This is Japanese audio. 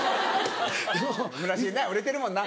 村重な売れてるもんな。